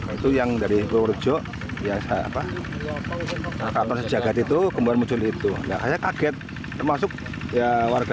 itu yang dari purworejo ya apa kantor sejagat itu kemudian muncul itu saya kaget termasuk ya warga